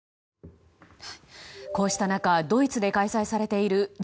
こうした中ドイツで開催されているＧ７